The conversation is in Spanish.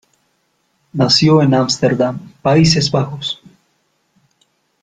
Nació en Ámsterdam, Países Bajos.